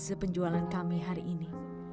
dan berjualan kami hari ini